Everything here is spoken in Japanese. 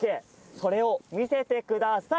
それを見せてください。